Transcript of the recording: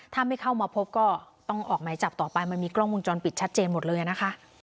ถ้าไม่เข้ามาพบก็ต้องออกหมายจับต่อไปมันมีกล้องวงจรปิดชัดเจนหมดเลยนะคะ